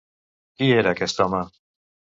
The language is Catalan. Qui era aquest home?